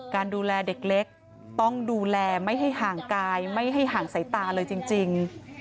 การดูแลเด็กเล็กต้องดูแลไม่ให้ห่างกายไม่ให้ห่างสายตาเลยจริง